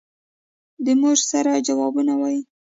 د مور سره جوابونه وايي.